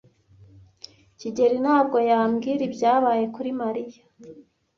kigeli ntabwo yambwira ibyabaye kuri Mariya.